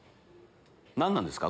何なんですか？